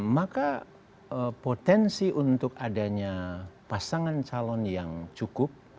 maka potensi untuk adanya pasangan calon yang cukup